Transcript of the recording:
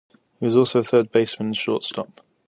He was also a third baseman and shortstop.